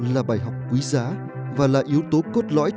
là bài học quý giá và là yếu tố cốt lõi